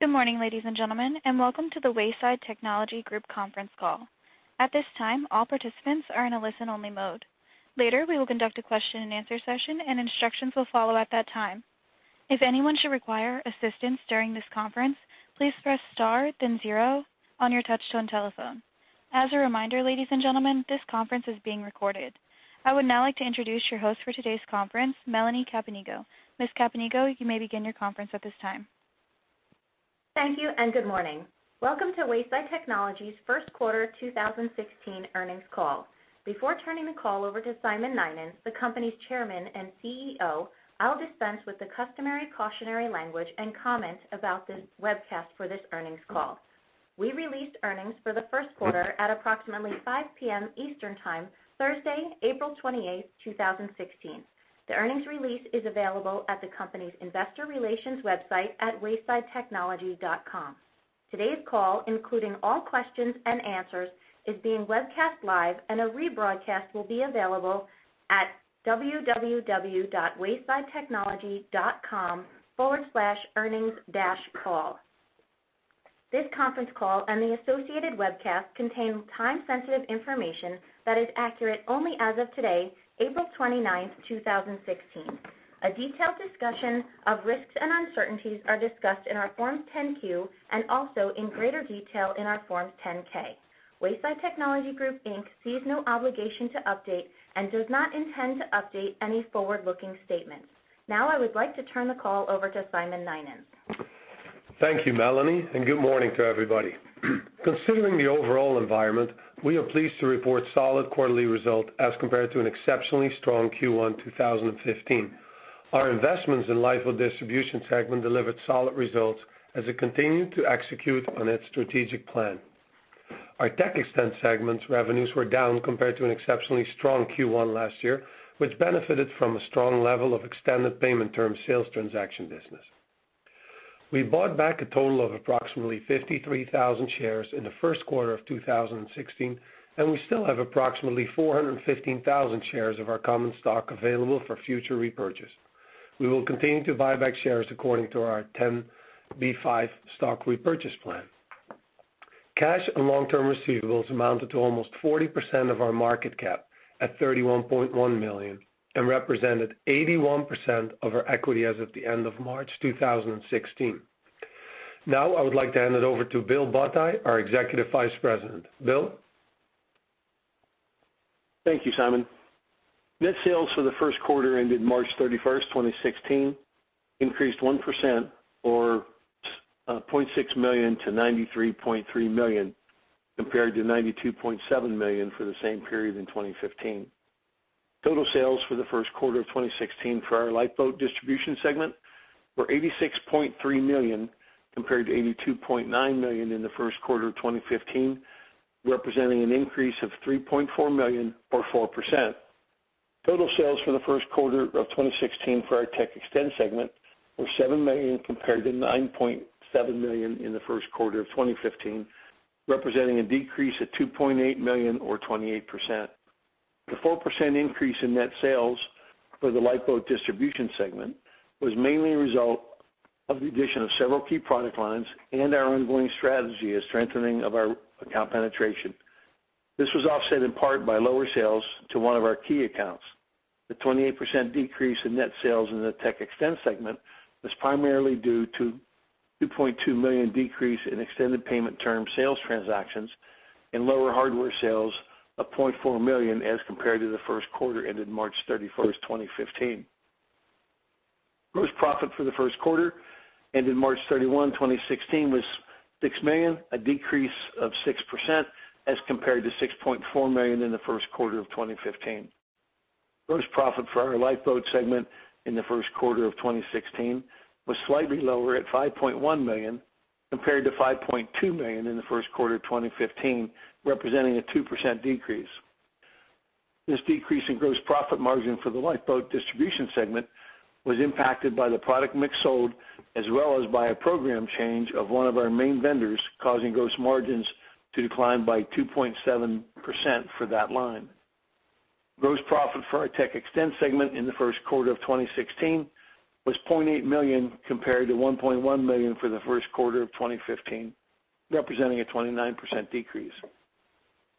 Good morning, ladies and gentlemen, welcome to the Wayside Technology Group conference call. At this time, all participants are in a listen-only mode. Later, we will conduct a question and answer session, and instructions will follow at that time. If anyone should require assistance during this conference, please press star then zero on your touch-tone telephone. As a reminder, ladies and gentlemen, this conference is being recorded. I would now like to introduce your host for today's conference, Melanie Capenigo. Ms. Capenigo, you may begin your conference at this time. Thank you. Good morning. Welcome to Wayside Technology's first quarter 2016 earnings call. Before turning the call over to Simon Nynens, the company's Chairman and CEO, I'll dispense with the customary cautionary language and comment about this webcast for this earnings call. We released earnings for the first quarter at approximately 5:00 P.M. Eastern Time, Thursday, April 28th, 2016. The earnings release is available at the company's investor relations website at waysidetechnology.com. Today's call, including all questions and answers, is being webcast live, and a rebroadcast will be available at www.waysidetechnology.com/earnings-call. This conference call and the associated webcast contain time-sensitive information that is accurate only as of today, April 29th, 2016. A detailed discussion of risks and uncertainties are discussed in our Form 10-Q, and also in greater detail in our Form 10-K. Wayside Technology Group, Inc. sees no obligation to update and does not intend to update any forward-looking statements. I would like to turn the call over to Simon Nynens. Thank you, Melanie. Good morning to everybody. Considering the overall environment, we are pleased to report solid quarterly result as compared to an exceptionally strong Q1 2015. Our investments in Lifeboat Distribution Segment delivered solid results as it continued to execute on its strategic plan. Our TechXtend Segment's revenues were down compared to an exceptionally strong Q1 last year, which benefited from a strong level of extended payment term sales transaction business. We bought back a total of approximately 53,000 shares in the first quarter of 2016, and we still have approximately 415,000 shares of our common stock available for future repurchase. We will continue to buy back shares according to our 10b5 stock repurchase plan. Cash and long-term receivables amounted to almost 40% of our market cap at $31.1 million and represented 81% of our equity as of the end of March 2016. Now, I would like to hand it over to Vito Legrottaglie, our Executive Vice President. Vito? Thank you, Simon. Net sales for the first quarter ended March 31, 2016, increased 1%, or $0.6 million to $93.3 million, compared to $92.7 million for the same period in 2015. Total sales for the first quarter of 2016 for our Lifeboat Distribution segment were $86.3 million, compared to $82.9 million in the first quarter of 2015, representing an increase of $3.4 million or 4%. Total sales for the first quarter of 2016 for our TechXtend segment were $7 million compared to $9.7 million in the first quarter of 2015, representing a decrease of $2.8 million or 28%. The 4% increase in net sales for the Lifeboat Distribution segment was mainly a result of the addition of several key product lines and our ongoing strategy of strengthening of our account penetration. This was offset in part by lower sales to one of our key accounts. The 28% decrease in net sales in the TechXtend segment was primarily due to $2.2 million decrease in extended payment term sales transactions and lower hardware sales of $0.4 million as compared to the first quarter ended March 31, 2015. Gross profit for the first quarter, ended March 31, 2016, was $6 million, a decrease of 6% as compared to $6.4 million in the first quarter of 2015. Gross profit for our Lifeboat segment in the first quarter of 2016 was slightly lower at $5.1 million, compared to $5.2 million in the first quarter 2015, representing a 2% decrease. This decrease in gross profit margin for the Lifeboat Distribution segment was impacted by the product mix sold, as well as by a program change of one of our main vendors, causing gross margins to decline by 2.7% for that line. Gross profit for our TechXtend segment in the first quarter of 2016 was $0.8 million, compared to $1.1 million for the first quarter of 2015, representing a 29% decrease.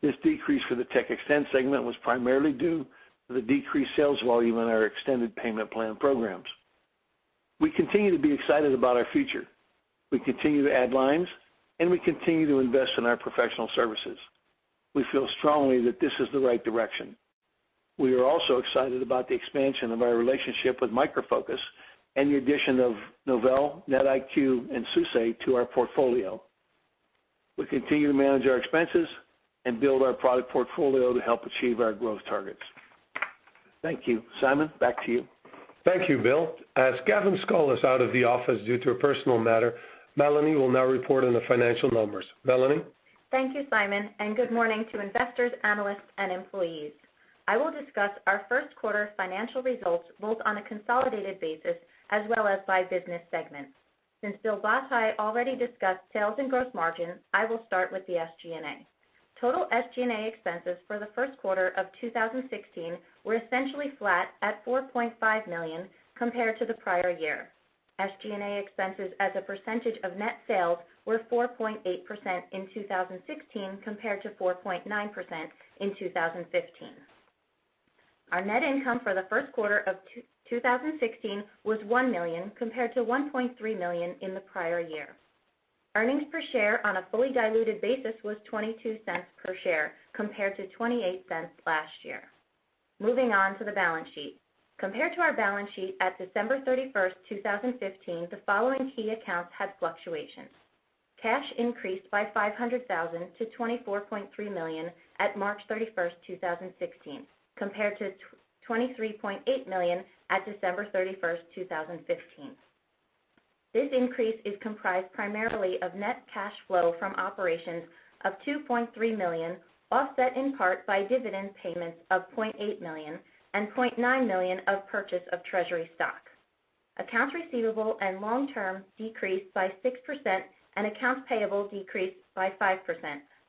This decrease for the TechXtend segment was primarily due to the decreased sales volume in our extended payment plan programs. We continue to be excited about our future. We continue to add lines, and we continue to invest in our professional services. We feel strongly that this is the right direction. We are also excited about the expansion of our relationship with Micro Focus and the addition of Novell, NetIQ, and SUSE to our portfolio. We continue to manage our expenses and build our product portfolio to help achieve our growth targets. Thank you. Simon, back to you. Thank you, Vito. As Shawn Giordano is out of the office due to a personal matter, Melanie will now report on the financial numbers. Melanie? Thank you, Simon, and good morning to investors, analysts, and employees. I will discuss our first quarter financial results, both on a consolidated basis as well as by business segment. Since Vito Legrottaglie already discussed sales and gross margins, I will start with the SG&A. Total SG&A expenses for the first quarter of 2016 were essentially flat at $4.5 million compared to the prior year. SG&A expenses as a percentage of net sales were 4.8% in 2016 compared to 4.9% in 2015. Our net income for the first quarter of 2016 was $1 million compared to $1.3 million in the prior year. Earnings per share on a fully diluted basis was $0.22 per share compared to $0.28 last year. Moving on to the balance sheet. Compared to our balance sheet at December 31st, 2015, the following key accounts had fluctuations. Cash increased by $500,000 to $24.3 million at March 31st, 2016, compared to $23.8 million at December 31st, 2015. This increase is comprised primarily of net cash flow from operations of $2.3 million, offset in part by dividend payments of $0.8 million and $0.9 million of purchase of treasury stock. Accounts receivable and long-term decreased by 6%, and accounts payable decreased by 5%,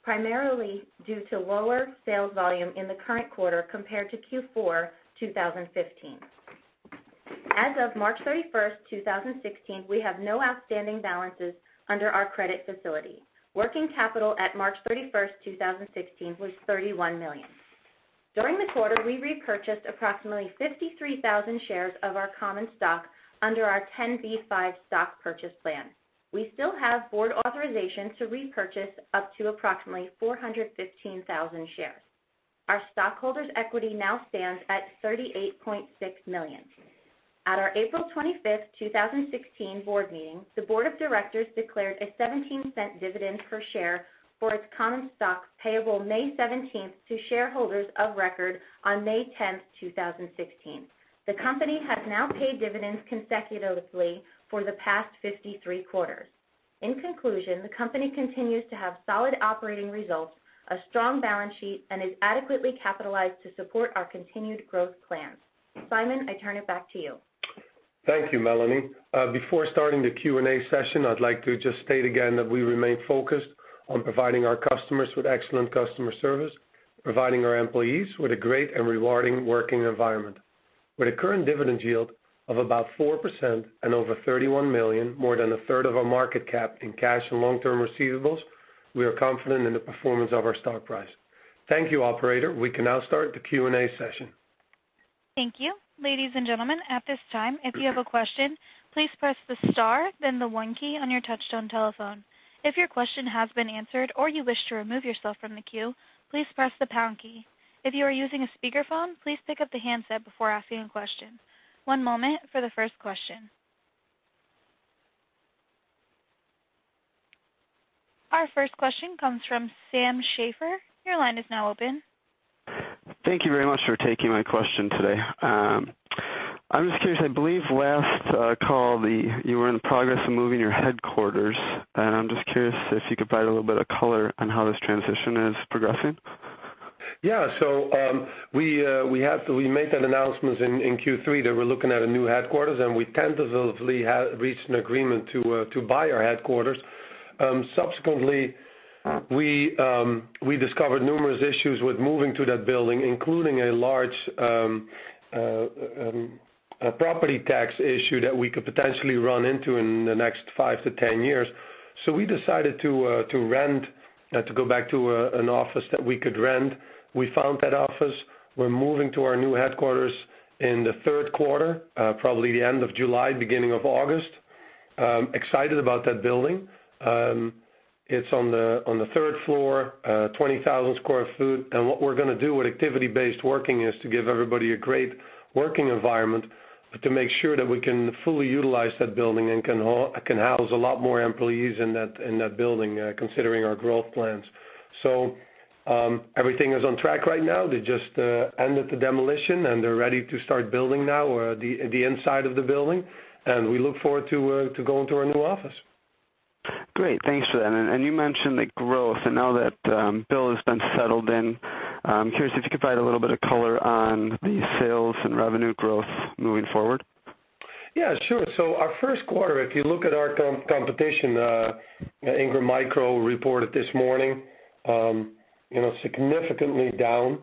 primarily due to lower sales volume in the current quarter compared to Q4 2015. As of March 31st, 2016, we have no outstanding balances under our credit facility. Working capital at March 31st, 2016, was $31 million. During the quarter, we repurchased approximately 53,000 shares of our common stock under our 10b5-1 stock purchase plan. We still have board authorization to repurchase up to approximately 415,000 shares. Our stockholders' equity now stands at $38.6 million. At our April 25th, 2016, board meeting, the board of directors declared a $0.17 dividend per share for its common stock payable May 17th to shareholders of record on May 10th, 2016. The company has now paid dividends consecutively for the past 53 quarters. In conclusion, the company continues to have solid operating results, a strong balance sheet, and is adequately capitalized to support our continued growth plans. Simon, I turn it back to you. Thank you, Melanie. Before starting the Q&A session, I'd like to just state again that we remain focused on providing our customers with excellent customer service, providing our employees with a great and rewarding working environment. With a current dividend yield of about 4% and over $31 million, more than a third of our market cap in cash and long-term receivables, we are confident in the performance of our stock price. Thank you, operator. We can now start the Q&A session. Thank you. Ladies and gentlemen, at this time, if you have a question, please press the star, then the one key on your touchtone telephone. If your question has been answered or you wish to remove yourself from the queue, please press the pound key. If you are using a speakerphone, please pick up the handset before asking a question. One moment for the first question. Our first question comes from Sam Schaefer. Your line is now open. Thank you very much for taking my question today. I'm just curious, I believe last call, you were in the progress of moving your headquarters, and I'm just curious if you could provide a little bit of color on how this transition is progressing. Yeah. We made that announcement in Q3 that we're looking at a new headquarters, and we tentatively reached an agreement to buy our headquarters. Subsequently, we discovered numerous issues with moving to that building, including a large property tax issue that we could potentially run into in the next 5-10 years. We decided to go back to an office that we could rent. We found that office. We're moving to our new headquarters in the third quarter, probably the end of July, beginning of August. Excited about that building. It's on the third floor, 20,000 sq ft. What we're going to do with activity-based working is to give everybody a great working environment, but to make sure that we can fully utilize that building and can house a lot more employees in that building, considering our growth plans. Everything is on track right now. They just ended the demolition, they're ready to start building now, the inside of the building. We look forward to going to our new office. Great. Thanks for that. You mentioned the growth now that Vito has been settled in, I'm curious if you could provide a little bit of color on the sales and revenue growth moving forward. Sure. Our first quarter, if you look at our competition, Ingram Micro reported this morning, significantly down,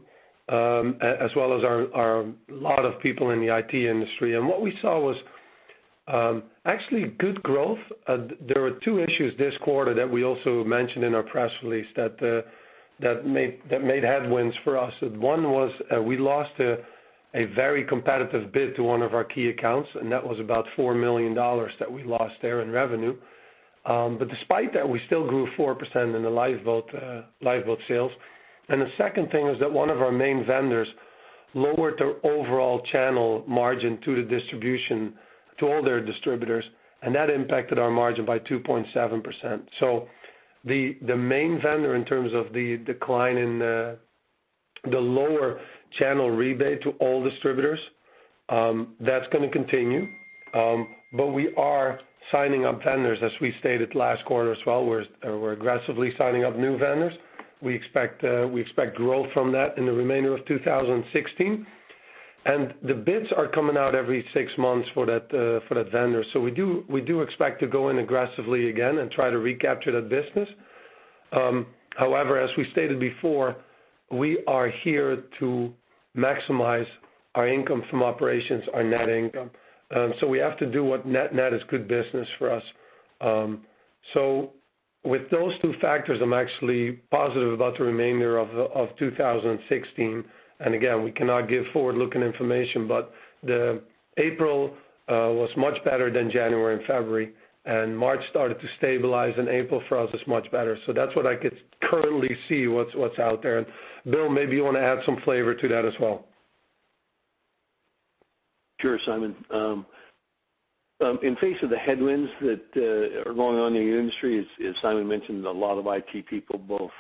as well as a lot of people in the IT industry. What we saw was, actually good growth. There were two issues this quarter that we also mentioned in our press release that made headwinds for us. One was, we lost a very competitive bid to one of our key accounts, that was about $4 million that we lost there in revenue. Despite that, we still grew 4% in the Lifeboat sales. The second thing is that one of our main vendors lowered their overall channel margin to the distribution to all their distributors, that impacted our margin by 2.7%. The main vendor in terms of the decline in the lower channel rebate to all distributors, that's going to continue. We are signing up vendors, as we stated last quarter as well. We're aggressively signing up new vendors. We expect growth from that in the remainder of 2016. The bids are coming out every six months for that vendor. We do expect to go in aggressively again and try to recapture that business. However, as we stated before, we are here to maximize our income from operations, our net income. We have to do what net-net is good business for us. With those two factors, I'm actually positive about the remainder of 2016. Again, we cannot give forward-looking information, but the April was much better than January and February, March started to stabilize, April for us is much better. That's what I could currently see what's out there. Vito, maybe you want to add some flavor to that as well. Sure, Simon. In face of the headwinds that are going on in the industry, as Simon mentioned, a lot of IT people, both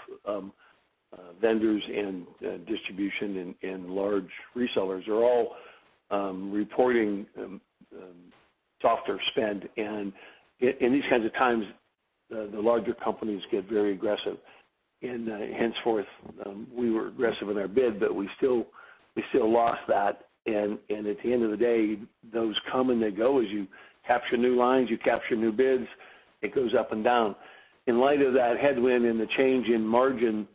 vendors and distribution and large resellers, are all reporting softer spend. In these kinds of times, the larger companies get very aggressive. Henceforth, we were aggressive in our bid, we still lost that. At the end of the day, those come and they go. As you capture new lines, you capture new bids, it goes up and down. In light of that headwind and the change in margin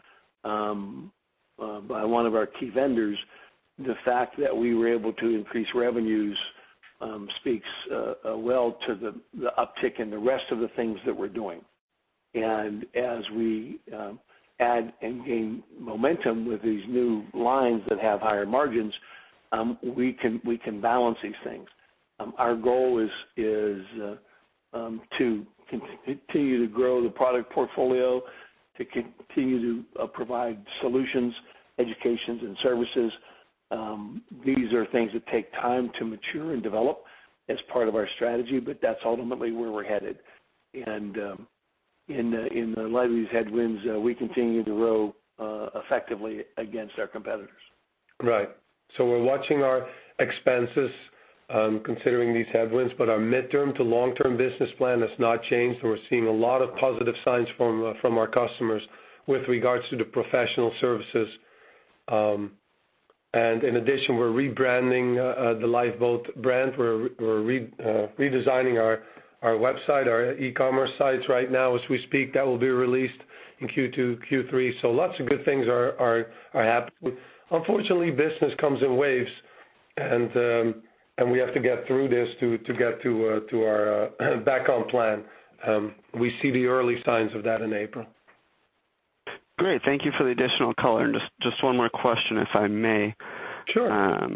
by one of our key vendors, the fact that we were able to increase revenues speaks well to the uptick in the rest of the things that we're doing. As we add and gain momentum with these new lines that have higher margins, we can balance these things. Our goal is to continue to grow the product portfolio, to continue to provide solutions, educations, and services. These are things that take time to mature and develop as part of our strategy, but that's ultimately where we're headed. In light of these headwinds, we continue to row effectively against our competitors. Right. We're watching our expenses, considering these headwinds, our midterm to long-term business plan has not changed. We're seeing a lot of positive signs from our customers with regards to the professional services. In addition, we're rebranding the Lifeboat brand. We're redesigning our website, our e-commerce sites right now as we speak. That will be released in Q2, Q3. Lots of good things are happening. Unfortunately, business comes in waves, we have to get through this to get back on plan. We see the early signs of that in April. Great. Thank you for the additional color. Just one more question, if I may. Sure.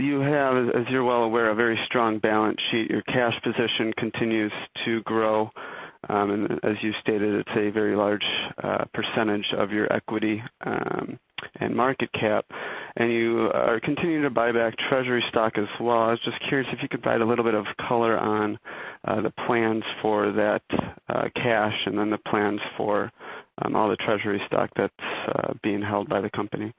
You have, as you're well aware, a very strong balance sheet. Your cash position continues to grow. As you stated, it's a very large percentage of your equity and market cap. You are continuing to buy back treasury stock as well. I was just curious if you could provide a little bit of color on the plans for that cash. Then the plans for all the treasury stock that's being held by the company.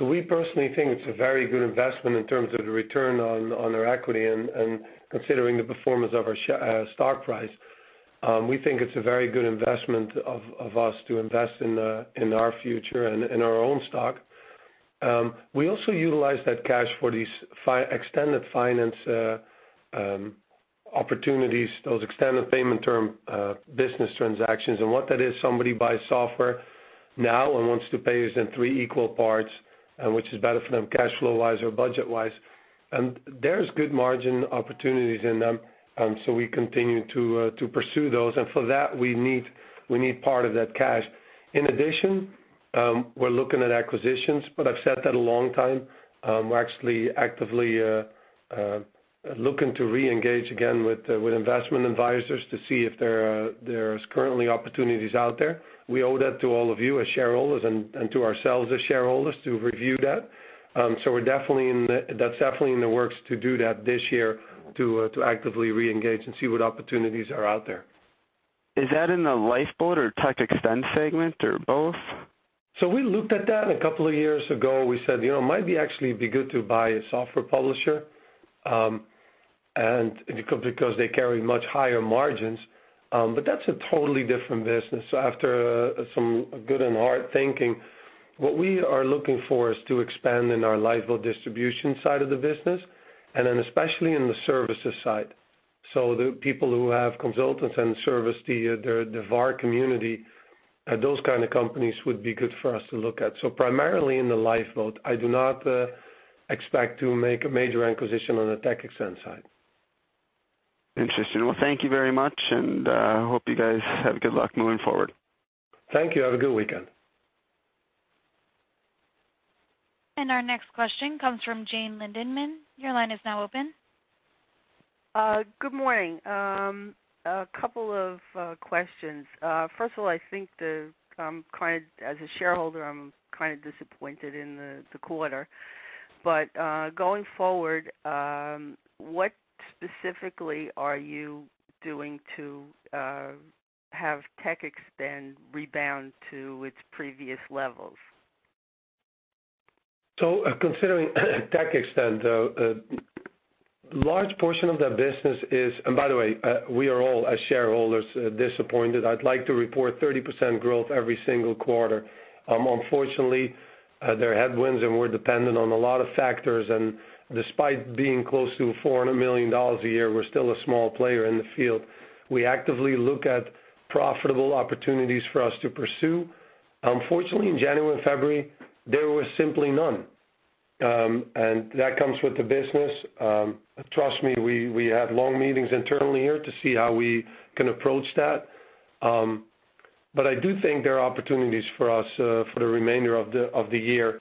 We personally think it's a very good investment in terms of the return on our equity and considering the performance of our stock price. We think it's a very good investment of us to invest in our future and in our own stock. We also utilize that cash for these extended finance opportunities, those extended payment term business transactions. What that is, somebody buys software now and wants to pay us in three equal parts, which is better for them cash flow-wise or budget-wise. There's good margin opportunities in them, so we continue to pursue those. For that, we need part of that cash. In addition, we're looking at acquisitions, I've said that a long time. We're actually actively looking to reengage again with investment advisors to see if there's currently opportunities out there. We owe that to all of you as shareholders and to ourselves as shareholders to review that. That's definitely in the works to do that this year, to actively reengage and see what opportunities are out there. Is that in the Lifeboat or TechXtend segment, or both? We looked at that a couple of years ago. We said, "It might be actually be good to buy a software publisher," because they carry much higher margins. That's a totally different business. After some good and hard thinking, what we are looking for is to expand in our Lifeboat Distribution side of the business and then especially in the services side. The people who have consultants and service the VAR community, those kind of companies would be good for us to look at. Primarily in the Lifeboat. I do not expect to make a major acquisition on the TechXtend side. Interesting. Well, thank you very much, hope you guys have good luck moving forward. Thank you. Have a good weekend. Our next question comes from Jane Lindenman. Your line is now open. Good morning. A couple of questions. First of all, I think, as a shareholder, I'm kind of disappointed in the quarter. Going forward, what specifically are you doing to have TechXtend rebound to its previous levels? By the way, we are all, as shareholders, disappointed. I'd like to report 30% growth every single quarter. Unfortunately, there are headwinds, and we're dependent on a lot of factors, and despite being close to $400 million a year, we're still a small player in the field. We actively look at profitable opportunities for us to pursue. Unfortunately, in January and February, there were simply none. That comes with the business. Trust me, we have long meetings internally here to see how we can approach that. I do think there are opportunities for us for the remainder of the year,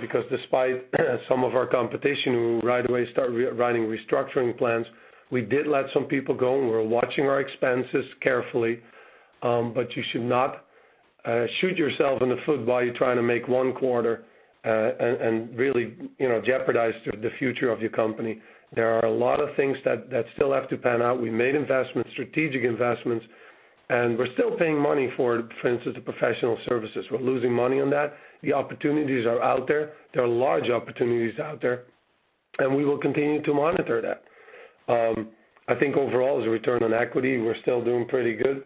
because despite some of our competition who right away start writing restructuring plans, we did let some people go, and we're watching our expenses carefully. You should not shoot yourself in the foot while you're trying to make one quarter and really jeopardize the future of your company. There are a lot of things that still have to pan out. We made investments, strategic investments, and we're still paying money for instance, the professional services. We're losing money on that. The opportunities are out there. There are large opportunities out there, and we will continue to monitor that. I think overall, as a return on equity, we're still doing pretty good,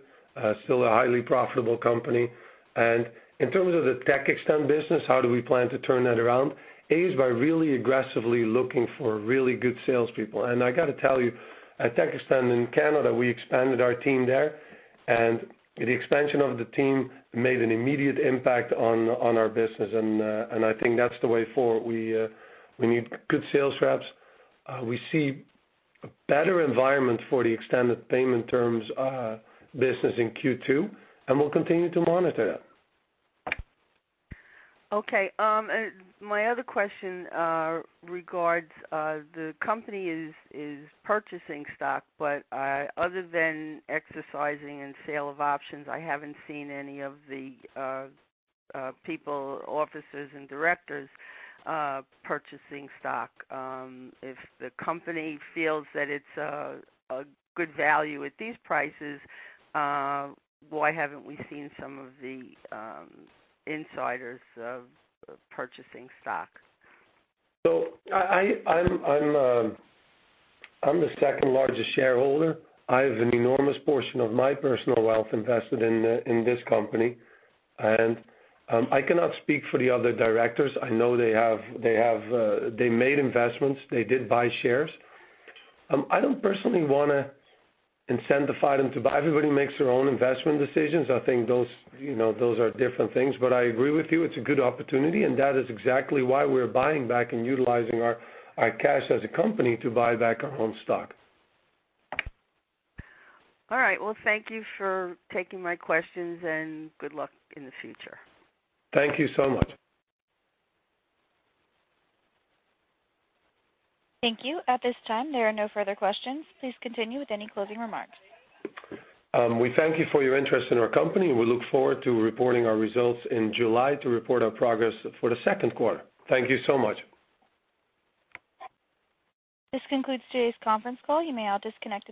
still a highly profitable company. In terms of the TechXtend business, how do we plan to turn that around? A, is by really aggressively looking for really good salespeople. I got to tell you, at TechXtend in Canada, we expanded our team there. The expansion of the team made an immediate impact on our business, and I think that's the way forward. We need good sales reps. We see better environment for the extended payment terms business in Q2, and we'll continue to monitor that. Okay. My other question regards the company is purchasing stock, but other than exercising and sale of options, I haven't seen any of the people, officers, and directors purchasing stock. If the company feels that it's a good value at these prices, why haven't we seen some of the insiders purchasing stock? I'm the second-largest shareholder. I have an enormous portion of my personal wealth invested in this company. I cannot speak for the other directors. I know they made investments. They did buy shares. I don't personally want to incentivize them to buy. Everybody makes their own investment decisions. I think those are different things. I agree with you, it's a good opportunity, and that is exactly why we're buying back and utilizing our cash as a company to buy back our own stock. All right. Well, thank you for taking my questions, and good luck in the future. Thank you so much. Thank you. At this time, there are no further questions. Please continue with any closing remarks. We thank you for your interest in our company, we look forward to reporting our results in July to report our progress for the second quarter. Thank you so much. This concludes today's conference call. You may all disconnect your line.